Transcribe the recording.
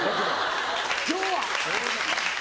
今日は。